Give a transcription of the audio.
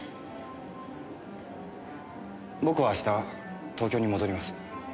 僕は明日東京に戻ります。